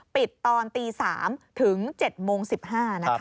ปิดตอนตี๓๐๐ถึง๗๑๕นะคะ